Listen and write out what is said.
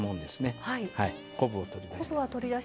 昆布を取り出します。